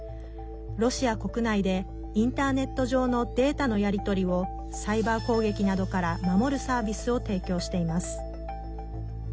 ロシア国内でインターネット上のデータのやり取りをサイバー攻撃などから守るサービスを提供しています。